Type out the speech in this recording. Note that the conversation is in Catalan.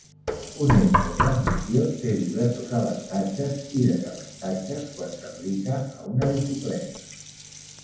Un eix de transmissió té diversos avantatges i desavantatges quan s'aplica a una bicicleta.